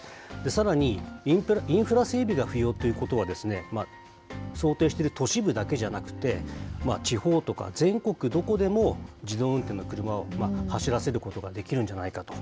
さらに、インフラ整備が不要ということは、想定してる都市部だけじゃなくて、地方とか全国どこでも自動運転の車を走らせることができるんじゃないかと。